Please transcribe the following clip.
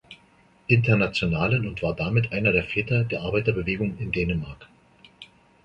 Internationalen und war damit einer der Väter der Arbeiterbewegung in Dänemark.